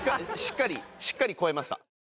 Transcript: しっかり超えました。